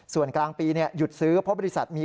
ส่วนกลางปีหยุดซื้อเพราะบริษัทมี